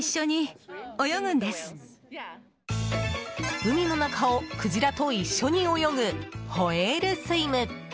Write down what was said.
海の中をクジラと一緒に泳ぐホエールスイム。